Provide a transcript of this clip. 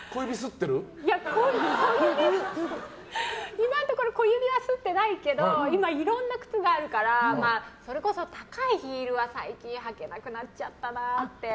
今のところ小指はすってないけど今いろんな靴があるからそれこそ高いヒールは最近履けなくなっちゃったなって。